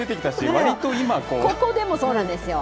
ここでも、そうなんですよ。